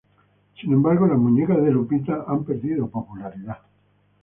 Sin embargo, las muñecas de Lupita han perdido popularidad.